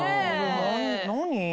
何？